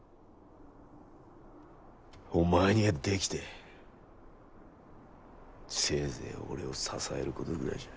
お前にはできてせいぜい俺を支えることぐらいじゃ。